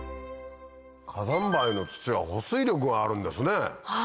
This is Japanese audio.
火山灰の土は保水力があるんですね。